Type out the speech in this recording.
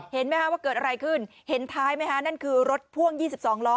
เห็นไหมฮะว่าเกิดอะไรขึ้นเห็นท้ายไหมคะนั่นคือรถพ่วง๒๒ล้อ